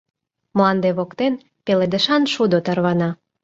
Мланде воктен пеледышан шудо тарвана.